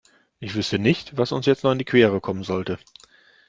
Ich wüsste nicht, was uns jetzt noch in die Quere kommen sollte.